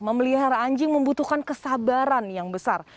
memelihara anjing membutuhkan kesabaran yang besar